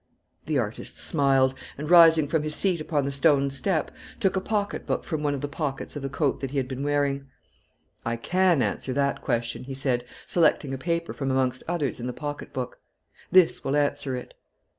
The artist smiled, and rising from his seat upon the stone step, took a pocket book from one of the pockets of the coat that he had been wearing. "I can answer that question," he said, selecting a paper from amongst others in the pocket book. "This will answer it."